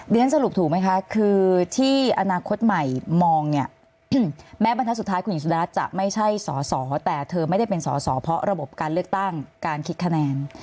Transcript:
สรุปถูกไหมคะคือที่อนาคตใหม่มองเนี่ยแม้บรรทัศน์สุดท้ายคุณหญิงสุดารัฐจะไม่ใช่สอสอแต่เธอไม่ได้เป็นสอสอเพราะระบบการเลือกตั้งการคิดคะแนน